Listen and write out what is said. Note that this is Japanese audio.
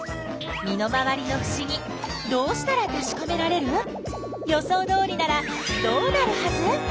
身の回りのふしぎどうしたらたしかめられる？予想どおりならどうなるはず？